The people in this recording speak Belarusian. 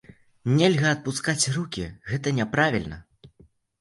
Нельга апускаць рукі, гэта няправільна!